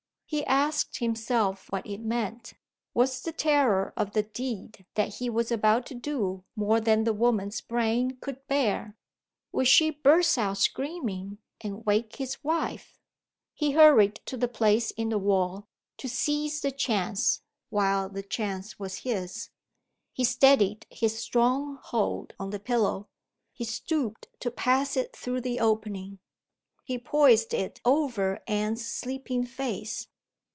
He asked himself what it meant. Was the terror of the deed that he was about to do more than the woman's brain could bear? Would she burst out screaming, and wake his wife? He hurried to the place in the wall to seize the chance, while the chance was his. He steadied his strong hold on the pillow. He stooped to pass it through the opening. He poised it over Anne's sleeping face.